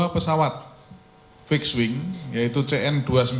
dua pesawat fixed wing yaitu cn dua ratus sembilan puluh